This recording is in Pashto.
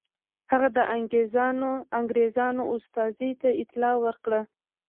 هغه د انګرېزانو استازي ته اطلاع ورکړه.